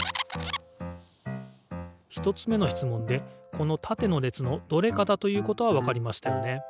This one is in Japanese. １つ目の質問でこのたての列のどれかだということはわかりましたよね。